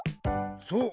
そう。